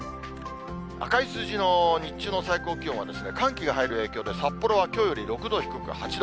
赤い数字の日中の最高気温は、寒気が入る影響で、札幌はきょうより６度低く８度。